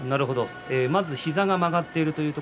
まず膝が曲がっている。